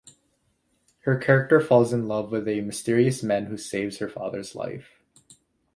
Her character falls in love with a mysterious man who saves her father's life.